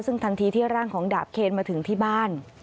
ซึ่งทันทีที่ร่างของดาบเคนมาถึงที่บ้าน